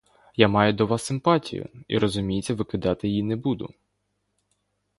Я маю до вас симпатію і, розуміється, викидати її не буду.